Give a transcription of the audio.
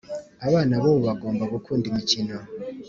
abana bubu bagomba gukunda imikino